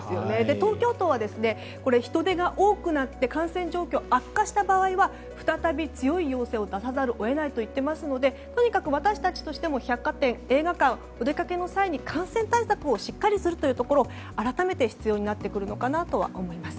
東京都は人出が多くなって感染状況が悪化した場合は再び強い要請を出さざるを得ないと言っていますのでとにかく、私たちとしても百貨店、映画館、お出かけの際に感染対策をしっかりするというところが改めて必要になってくるのかなと思います。